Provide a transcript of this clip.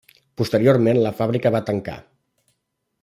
Posteriorment la fàbrica va tancar.